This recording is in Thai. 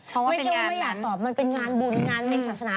ไม่ใช่ว่าอยากตอบมันเป็นงานบุญงานในศาสนา